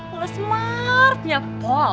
lo smartnya pol